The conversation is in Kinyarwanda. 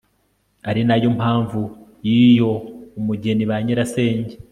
ari nayo mpamvu n'iyo umugeni ba nyirasenge